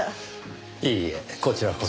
いいえこちらこそ。